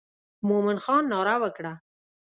مومن خان ناره وکړه.